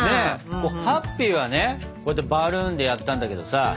「ＨＡＰＰＹ」はねこうやってバルーンでやったんだけどさ。